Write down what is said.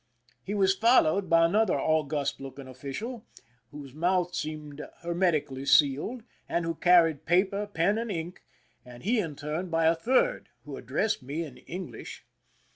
He was followed by another august looking official, whose mouth seemed hermetically sealed, and who carried paper, pen, and ink, and he in turn by a third, who ad dressed me in English.